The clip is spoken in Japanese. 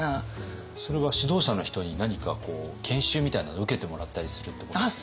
それは指導者の人に何かこう研修みたいなのを受けてもらったりするってことですか？